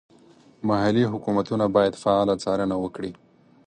محلي حکومتونه باید فعاله څارنه وکړي.